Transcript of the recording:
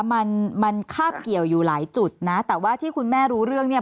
มันมันคาบเกี่ยวอยู่หลายจุดนะแต่ว่าที่คุณแม่รู้เรื่องเนี่ย